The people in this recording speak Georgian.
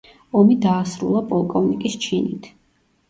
ომი დაასრულა პოლკოვნიკის ჩინით.